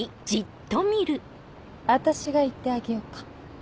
私が言ってあげようか。